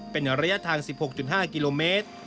เป็นระยะทาง๑๖๕กิโลเมตร